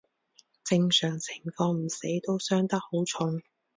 正常情況唔死都傷得好重